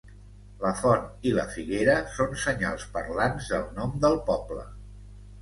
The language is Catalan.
La font i la figuera són senyals parlants del nom del poble.